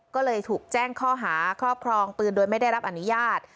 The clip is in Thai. ก็เลยถูกแจ้งข้อหาครอบครองปืนโดยไม่ได้รับอนุญาต